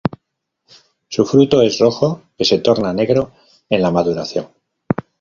Su fruto es rojo que se torna negro en la maduración.